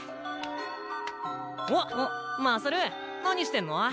あっ勝何してんの？